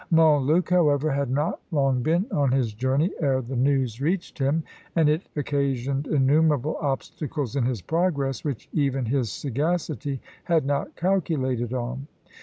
Montluc, however, had not long been on his journey ere the news reached him, and it occasioned innumerable obstacles in his progress, which even his sagacity had not calculated on.